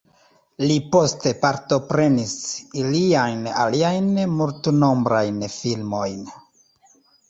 Li poste partoprenis iliajn aliajn multnombrajn filmojn.